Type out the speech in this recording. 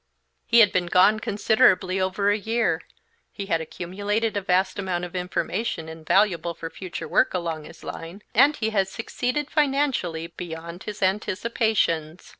He had been gone considerably over a year; he had accumulated a vast amount of information invaluable for future work along his line, and he had succeeded financially beyond his anticipations.